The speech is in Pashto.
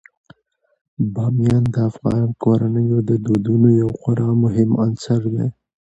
بامیان د افغان کورنیو د دودونو یو خورا مهم عنصر دی.